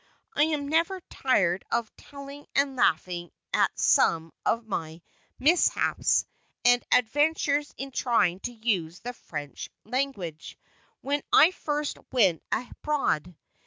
I am never tired of telling and laughing at some of my mishaps and adventures in trying to use the French language, when I first went abroad.